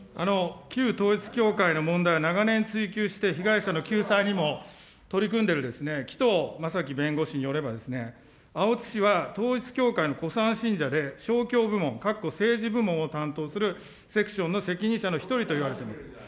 旧統一教会の問題を長年追及して、被害者の救済にも取り組んでいる紀藤正樹弁護士によれば、青津氏は統一教会の古参信者で、勝共部門、かっこ政治部門を担当するセクションの責任者の１人といわれているんです。